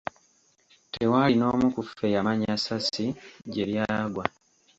Tewaali n'omu ku ffe yamanya ssasi gye lyagwa.